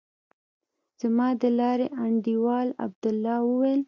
زما د لارې انډيوال عبدالله وويل.